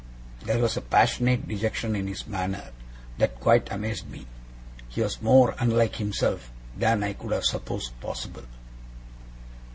There was a passionate dejection in his manner that quite amazed me. He was more unlike himself than I could have supposed possible.